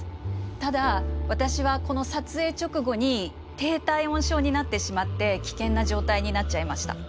ただ私はこの撮影直後に低体温症になってしまって危険な状態になっちゃいました。